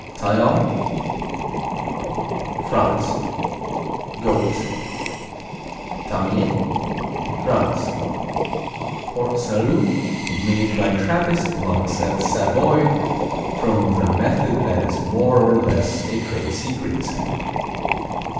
Tallance France Goat. Tamie France Port Salut made by Trappist monks at Savoy from their method that is more or less a trade secret.